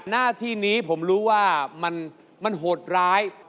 หน้าที่นี้ผมรู้ว่ามันโหดร้าย